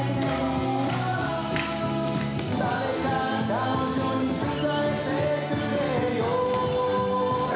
「誰か彼女に伝えてくれよ」